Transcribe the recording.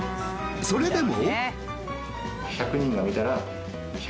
それでも。